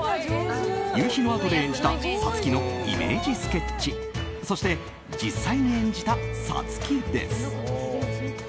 「夕陽のあと」で演じた五月のイメージスケッチそして、実際に演じた五月です。